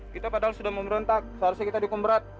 kita padahal sudah memerontak seharusnya kita dikumberat